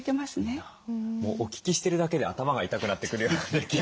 もうお聞きしてるだけで頭が痛くなってくるような気が。